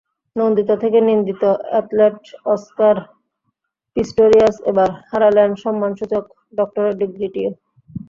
নন্দিত থেকে নিন্দিত athlete Oscar Pistorius এবার হারালেন সম্মানসূচক ডক্টরেট ডিগ্রিটিও।